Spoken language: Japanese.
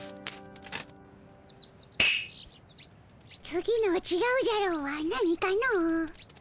次の「ちがうじゃろー」はなにかの。